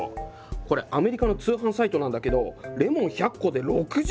これアメリカの通販サイトなんだけどレモン１００個で６０ドルだって。